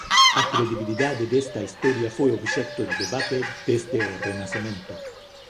A credibilidade desta historia foi obxecto de debate desde o Renacemento.